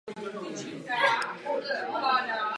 Jeho tým však ztroskotal na Valencii.